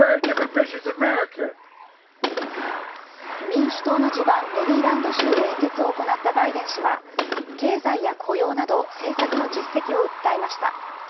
民主党の地盤、メリーランド州で演説を行ったバイデン氏は、経済や雇用など政策の実績を訴えました。